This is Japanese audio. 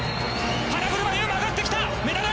花車優が上がってきた！